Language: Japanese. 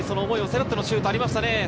まさにその思いを背負ってのシュートがありました。